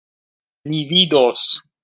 Ni vidos.